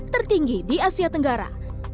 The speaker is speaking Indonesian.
tertinggi di asia tenggara